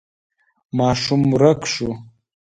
ماشوم ورک شو.